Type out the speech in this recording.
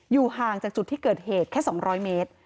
ห่างจากจุดที่เกิดเหตุแค่๒๐๐เมตร